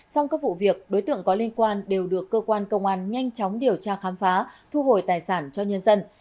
song các vụ việc đối tượng có liên quan đều được cơ quan công an nhanh chóng điều tra khám phá thu hồi tài sản cho nhân dân